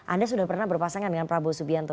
anda sudah pernah berpasangan dengan prabowo subianto